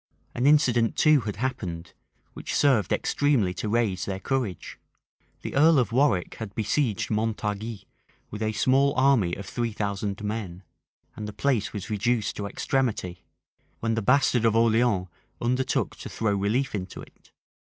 An incident too had happened, which served extremely to raise their courage. The earl of Warwick had besieged Montargis with a small army of three thousand men, and the place was reduced to extremity, when the bastard of Orleans undertook to throw relief into it.